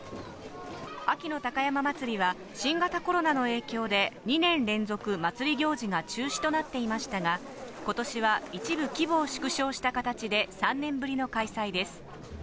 秋の高山祭は、新型コロナの影響で２年連続、祭り行事が中止となっていましたが、ことしは一部規模を縮小した形で３年ぶりの開催です。